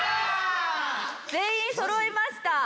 全員そろいました。